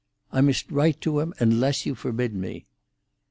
"I must write to him, unless you forbid me."